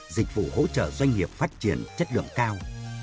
dịch vụ hỗ trợ doanh nghiệp phát triển chất lượng cao